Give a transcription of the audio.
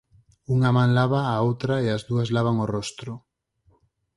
Unha man lava a outra e as dúas lavan o rostro.